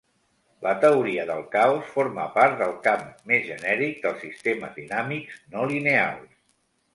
La teoria del caos forma part del camp més genèric dels sistemes dinàmics no lineals.